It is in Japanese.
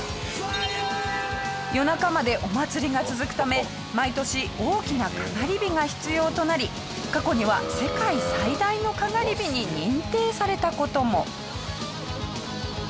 夜中までお祭りが続くため毎年大きなかがり火が必要となり過去には世界最大のかがり火に認定された事も。